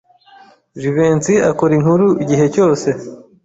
Jivency akora inkuru igihe cyose.